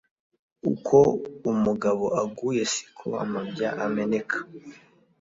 Uko umugabo aguye si ko amabya ameneka.